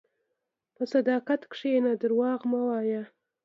په صداقت کښېنه، دروغ مه وایې.